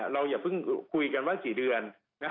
เราไม่คุยกันว่าอีกกี่เดือน